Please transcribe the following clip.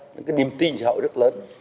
những cái niềm tin cho họ rất lớn